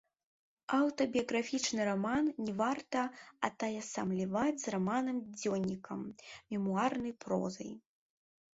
Аўтабіяграфічны раман не варта атаясамліваць з раманам-дзённікам, мемуарнай прозай.